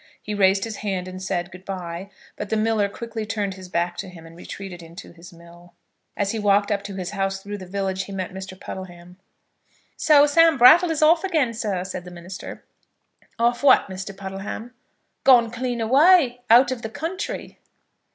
He raised his hand and said, "Good bye," but the miller quickly turned his back to him and retreated into his mill. As he walked up to his house through the village he met Mr. Puddleham. "So Sam Brattle is off again, sir," said the minister. "Off what, Mr. Puddleham?" "Gone clean away. Out of the country."